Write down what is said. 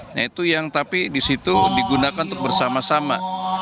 nah itu yang tapi di situ digunakan untuk bersama sama